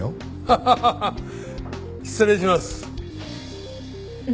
ハハハハ失礼します。